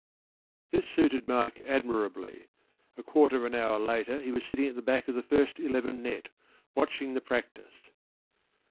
” This suited Mike admirably.  A quarter of an hour later he was sitting at the back of the first eleven net, watching the practice.